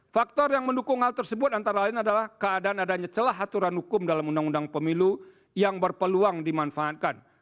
faktor yang mendukung hal tersebut antara lain adalah keadaan adanya celah aturan hukum dalam undang undang pemilu yang berpeluang dimanfaatkan